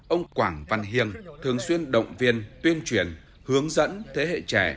ông quảng văn hiền thường xuyên động viên tuyên truyền hướng dẫn thế hệ trẻ